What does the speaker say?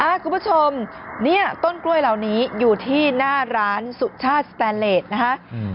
คุณผู้ชมเนี่ยต้นกล้วยเหล่านี้อยู่ที่หน้าร้านสุชาติสแตนเลสนะคะอืม